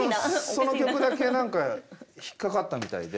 その曲だけ何か引っかかったみたいで。